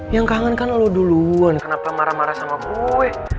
yang kangen kan lo duluan kenapa marah marah sama kue